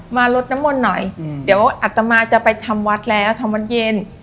ลดน้ำมนต์หน่อยเดี๋ยวอัตมาจะไปทำวัดแล้วทำวัดเย็น